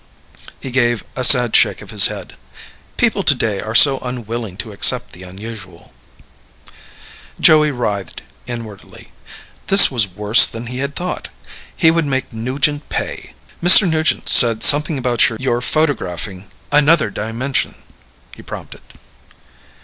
He gave a sad shake of his head. "People today are so unwilling to accept the unusual." Joey writhed inwardly. This was worse than he had thought. He would make Nugent pay. "Mr. Nugent said something about your photographing another dimension," he prompted.